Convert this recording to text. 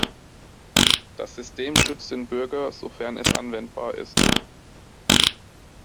Das System schützt den Bürger, sofern es anwendbar ist.